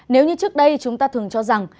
nếu như trước đây chúng ta thường cho rằng